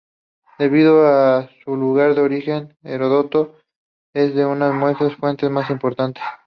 Debido a su lugar de origen, Heródoto es una de nuestras fuentes más importantes.